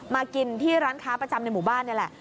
มากินที่ร้านค้าประจำในหมู่บ้านนี่แหละ